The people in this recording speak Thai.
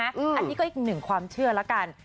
อันนี้ก็อีกหนึ่งความเชื่อแล้วกัน